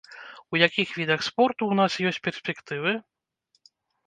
У якіх відах спорту ў нас ёсць перспектывы?